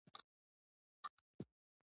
د لوټ لپاره ټول امکانات عبدالله ته ورکړل شي.